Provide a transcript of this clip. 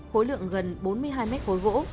khối lượng gần bốn mươi hai mét khối gỗ